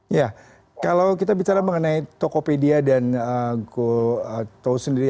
iya kalau kita bicara mengenai tokopedia dan goto sendiri